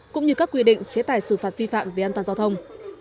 cũng như các quy định chế tài xử phạt vi phạm về an toàn giao thông